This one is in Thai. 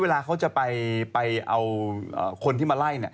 เวลาเขาจะไปเอาคนที่มาไล่